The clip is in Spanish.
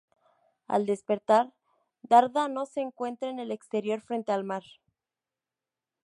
Al despertar, Dárdano se encuentra en el exterior, frente al mar.